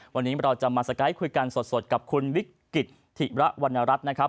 วันนี้เราจะมาสไกด์คุยกันสดกับคุณวิกฤตธิระวรรณรัฐนะครับ